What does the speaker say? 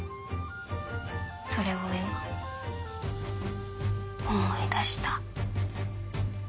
それを今思い出した。